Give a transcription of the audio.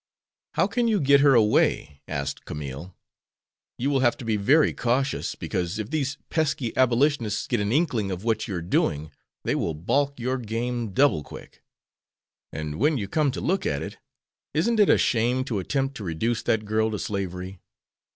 "How can you get her away?" asked Camille. "You will have to be very cautious, because if these pesky Abolitionists get an inkling of what you're doing they will balk your game double quick. And when you come to look at it, isn't it a shame to attempt to reduce that girl to slavery?